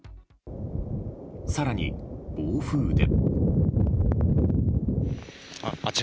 更に、暴風で。